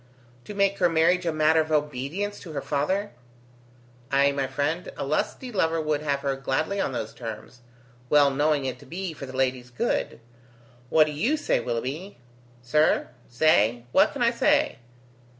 "To make her marriage a matter of obedience to her father?" "Ay, my friend, a lusty lover would have her gladly on those terms, well knowing it to be for the lady's good. What do you say, Willoughby?" "Sir! Say? What can I say?